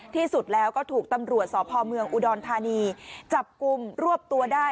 ที่สุดแล้วก็ถูกตำรวจสพเมืองอุดรธานีจับกลุ่มรวบตัวได้